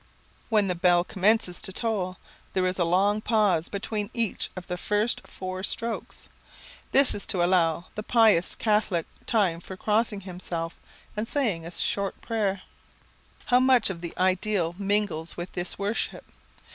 When the bell commences to toll there is a long pause between each of the first four strokes. This is to allow the pious Catholic time for crossing himself and saying a short prayer. How much of the ideal mingles with this worship!